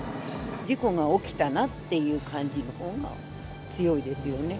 事故が起きたなっていう感じのほうが強いですよね。